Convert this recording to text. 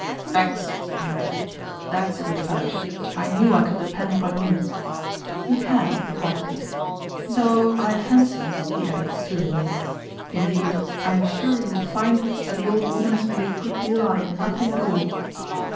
"Thanks," said the Manager, "that's a good fellow. I knew I could depend upon you !" "You can," replied Peter, "though, I fancy," he added, soothingly " indeed, I am sure you will find that the old woman has made a good deal out of nothing at all."